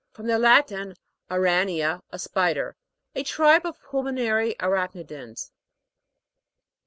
From the Latin, aranea, a spider. A tribe of pulmonary arach'ni dans.